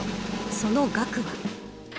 その額は。